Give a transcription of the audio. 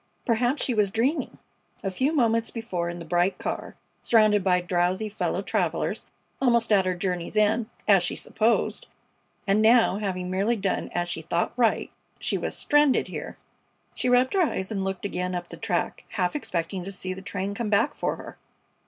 Perhaps she was dreaming! A few moments before in the bright car, surrounded by drowsy fellow travelers, almost at her journey's end, as she supposed; and now, having merely done as she thought right, she was stranded here! She rubbed her eyes and looked again up the track, half expecting to see the train come back for her.